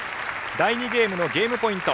第２ゲームのゲームポイント。